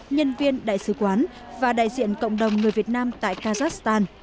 nhân viên đại sứ quán và đại diện cộng đồng người việt nam tại kazakhstan